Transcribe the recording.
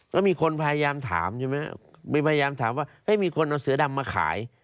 ก็มีคนพยายามถามใช่ไหมมีพยายามถามว่ามีคนเอาเสือดำมาขาย